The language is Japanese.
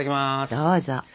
どうぞ！